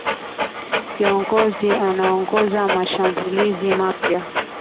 Kiongozi anaongoza mashambulizi mapya